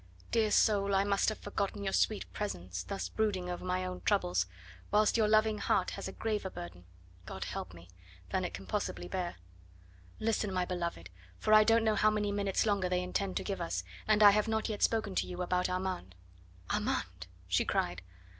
"Dear soul, I must have forgotten your sweet presence, thus brooding over my own troubles, whilst your loving heart has a graver burden God help me! than it can possibly bear. Listen, my beloved, for I don't know how many minutes longer they intend to give us, and I have not yet spoken to you about Armand " "Armand!" she cried.